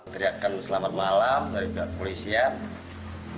teriakan selamat malam dari belakang polisian